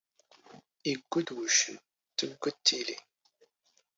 ⵉⴳⴳⵯⴷ ⵡⵓⵛⵛⵏ, ⵜⴳⴳⵯⴷ ⵜⵉⵍⵉ